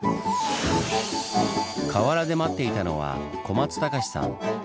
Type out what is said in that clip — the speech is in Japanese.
河原で待っていたのは小松隆史さん。